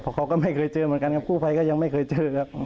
เพราะเขาก็ไม่เคยเจอเหมือนกันครับกู้ภัยก็ยังไม่เคยเจอครับ